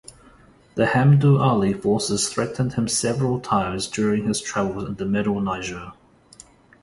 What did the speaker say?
The Hamdullahi forces threatened him several times during his travels in the Middle Niger.